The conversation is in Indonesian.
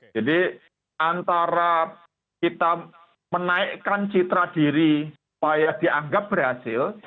jadi antara kita menaikkan citra diri supaya dianggap berhasil